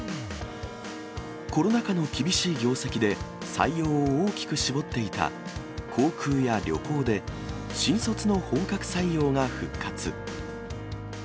コロナ禍の厳しい業績で採用を大きく絞っていた航空や旅行で、新卒の本格採用が復活。